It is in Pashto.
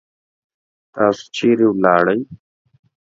تاسو چیرې ولاړی؟